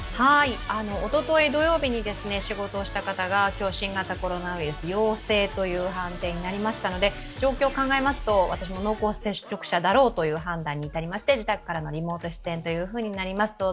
おととい土曜日に仕事をした方が、今日、新型コロナウイルス陽性という判定になりましたので状況を考えますと、私も濃厚接触者だろうという判断に至りまして、自宅からのリモート出演となります。